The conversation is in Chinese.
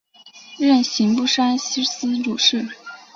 任刑部山西司主事。